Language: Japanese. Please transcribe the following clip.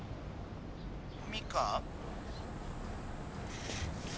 ミカ？